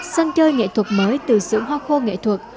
sân chơi nghệ thuật mới từ sưởng hoa khô nghệ thuật